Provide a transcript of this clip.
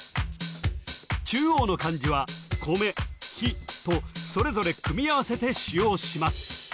中央の漢字は「米」「日」とそれぞれ組み合わせて使用します